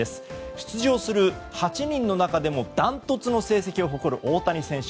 出場する８人の中でもダントツの成績を誇る大谷選手。